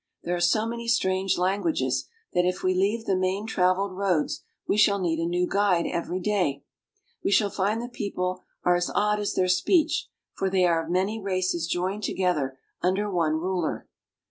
There are so many strange languages that if we leave the main traveled roads we shall need a new guide every day. We shall find the people are as odd as their speech, for they are of many races joined together under one ruler.